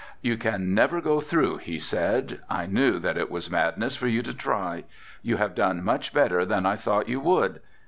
"You can never go through," he said, "I knew that it was madness for you to try. You have done much better than I thought you would.